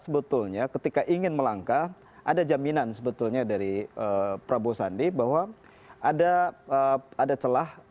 sebetulnya ketika ingin melangkah ada jaminan sebetulnya dari prabowo sandi bahwa ada ada celah